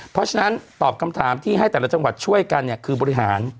เพราะฉะนั้นตอบคำถามที่ให้แต่ละจังหวัดช่วยกันเนี่ยคือบริหาร